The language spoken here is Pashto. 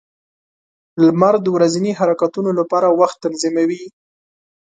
• لمر د ورځني حرکتونو لپاره وخت تنظیموي.